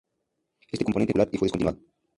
Este componente no fue popular y fue descontinuado.